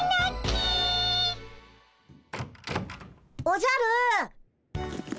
おじゃる！